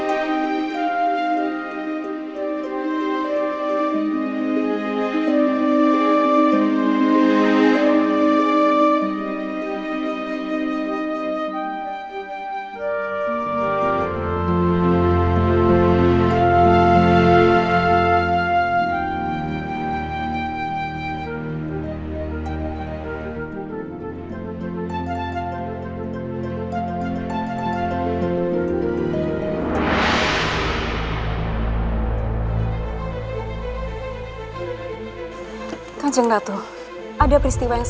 aku minta prerayanan